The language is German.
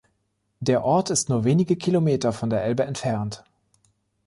Der Ort ist nur wenige Kilometer von der Elbe entfernt.